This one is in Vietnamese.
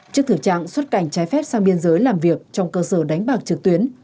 trước thử trạng xuất cảnh trái phép sang biên giới làm việc trong cơ sở đánh bạc trực tuyến